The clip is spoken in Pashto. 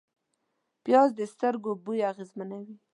پیاز د سترګو بوی اغېزمنوي